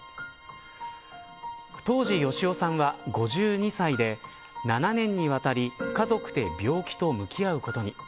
当時、好夫さんは５２歳で７年にわたり家族で病気と向き合うことに。